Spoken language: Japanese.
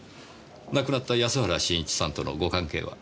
亡くなった安原慎一さんとのご関係は？